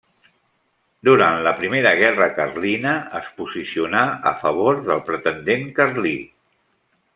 Durant la primera guerra carlina es posicionà a favor del pretendent carlí.